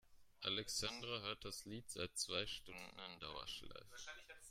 Alexandra hört das Lied seit zwei Stunden in Dauerschleife.